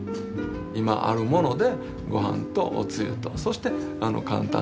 今あるものでごはんとおつゆとそして簡単なね卵焼きやら。